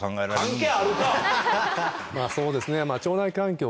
まぁそうですね。